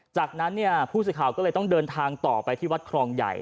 จากนั้นเนี่ยผู้สื่อข่าวก็เลยต้องเดินทางต่อไปที่วัดครองใหญ่